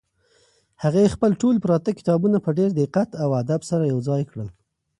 هغې خپل ټول پراته کتابونه په ډېر دقت او ادب سره یو ځای کړل.